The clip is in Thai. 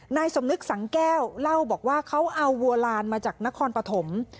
นายสมนึกสังแก้วเล่าบอกว่าเขาเอาวัวลานมาจากนครปฐม